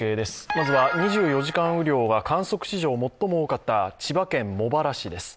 まずは２４時間雨量が観測史上最も多かった千葉県茂原市です。